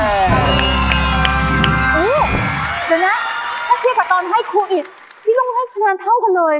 เดี๋ยวนะการที่ตอนให้ครูอิทพี่ทุกคนให้คะแนนเท่ากันเลย